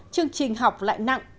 chương trình học lại nặng